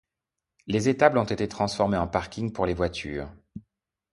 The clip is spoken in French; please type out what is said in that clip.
Les étables ont été transformées en parking pour les voitures.